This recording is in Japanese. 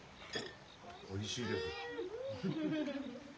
おいしいです。